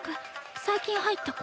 最近入った子？